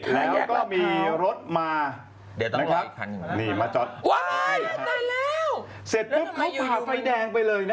แล้วก็มีรถมาเด็ดนะครับนี่มาจอดว้ายตายแล้วเสร็จปุ๊บเขาฝ่าไฟแดงไปเลยนะ